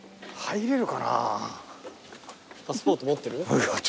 パスポート持ってる？